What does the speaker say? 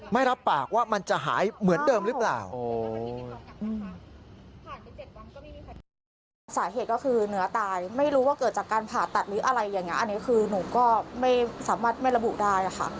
ไม่รับปากว่ามันจะหายเหมือนเดิมหรือเปล่า